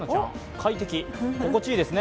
快適、心地いいですよね。